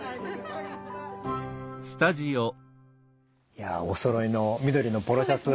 いやおそろいの緑のポロシャツ。